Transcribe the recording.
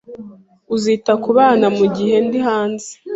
Uzita ku bana mugihe ndi hanze?